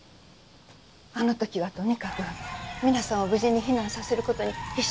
あの時はとにかく皆さんを無事に避難させる事に必死でしたから。